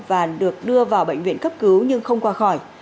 và được đưa vào bệnh viện cấp cứu nhưng không qua khỏi